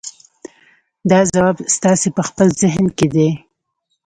دا ځواب ستاسې په خپل ذهن کې دی.